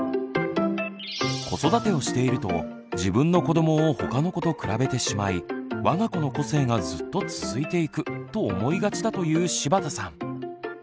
子育てをしていると自分の子どもをほかの子と比べてしまい「わが子の個性がずっと続いていく」と思いがちだという柴田さん。